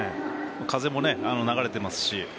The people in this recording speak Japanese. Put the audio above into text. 風も流れていますし。